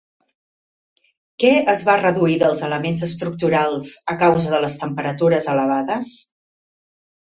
Què es va reduir dels elements estructurals a causa de les temperatures elevades?